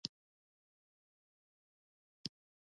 د امو سیند د پولې په توګه دی